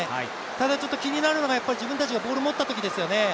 ただ、気になるのが自分たちがボールを持ったときですよね。